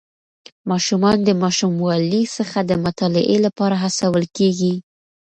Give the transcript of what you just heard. ماشومان د ماشوموالي څخه د مطالعې لپاره هڅول کېږي.